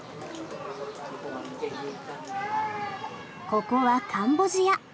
ここはカンボジア。